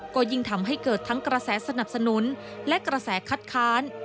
ก็ยิ่งทำให้เกิดทั้งกระแสสนับสนุนและกระแสคัดค้าน